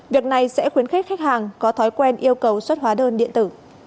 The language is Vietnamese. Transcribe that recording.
việc này sẽ khuyến khích khách hàng có thói quen yêu cầu xuất hóa đơn điện tử